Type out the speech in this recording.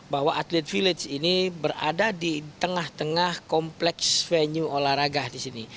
bahwa atlet village ini berada di tengah tengah kompleks venue olahraga di sini